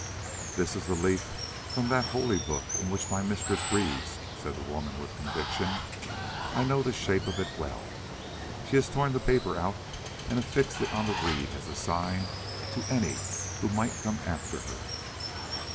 "This is a leaf from that holy book in which my mistress reads," said the woman with conviction; "I know the shape of it well. She has torn the paper out and affixed it on the reed as a sign to any who might come after her."